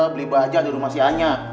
beli baja di rumah si anya